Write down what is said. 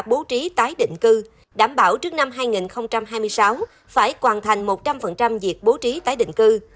bố trí tái định cư đảm bảo trước năm hai nghìn hai mươi sáu phải hoàn thành một trăm linh việc bố trí tái định cư